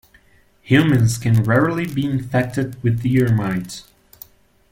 Humans can rarely be infected with ear mites.